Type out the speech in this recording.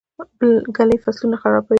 ږلۍ فصلونه خرابوي.